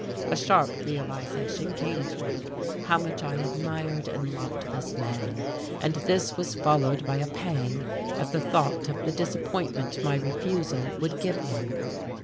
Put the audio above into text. A sharp realization came to me of how much I admired and loved this man, and this was followed by a pang at the thought of the disappointment my refusal would give him.